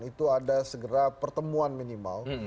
itu ada segera pertemuan minimal